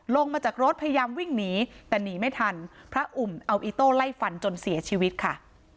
ลงมาจากรถพยายามวิ่งหนีแต่หนีไม่ทันพระอุ่มเอาอีโต้ไล่ฟันจนเสียชีวิตค่ะ